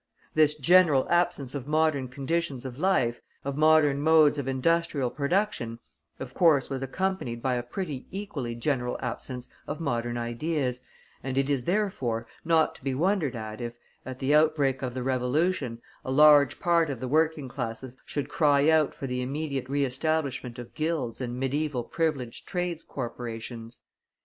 This general absence of modern conditions of life, of modern modes of industrial production, of course was accompanied by a pretty equally general absence of modern ideas, and it is, therefore, not to be wondered at if, at the outbreak of the Revolution, a large part of the working classes should cry out for the immediate re establishment of guilds and Mediæval privileged trades' corporations.